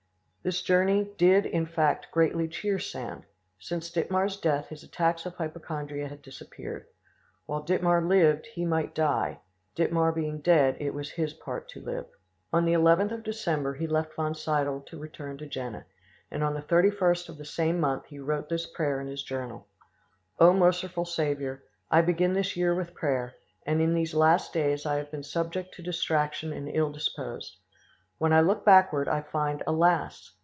This journey did in fact greatly cheer Sand. Since Dittmar's death his attacks of hypochondria had disappeared. While Dittmar lived he might die; Dittmar being dead, it was his part to live. On the 11th of December he left Wonsiedel, to return to Jena, and on the 31st of the same month he wrote this prayer in his journal. "O merciful Saviour! I began this year with prayer, and in these last days I have been subject to distraction and ill disposed. When I look backward, I find, alas!